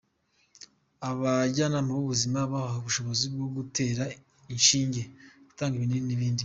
Abajyanama b’ubuzima bahawe ubushobozi bwo gutera inshinge, gutanga ibinini n’indi miti.